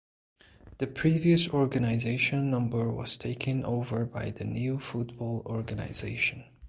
The previous organisation number was taken over by the new football organisation.